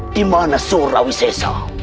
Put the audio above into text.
dimana surawi sesa